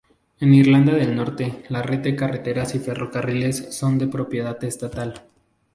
En Irlanda del Norte, la red de carreteras y ferrocarriles son de propiedad estatal.